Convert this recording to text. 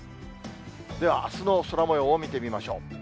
では、あすの空もようを見てみましょう。